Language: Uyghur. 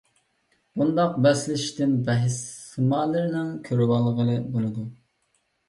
بۇنداق بەسلىشىشتىن بەھىس سىمالىرىنى كۆرۈۋالغىلى بولىدۇ.